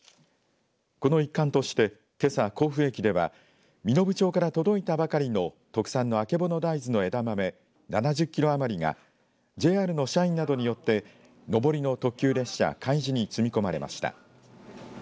この一環として、けさ甲府駅では身延町から届いたばかりの特産のあけぼの大豆の枝豆７０キロ余りがＪＲの社員などによって上りの特急列車かいじに積み込まれました。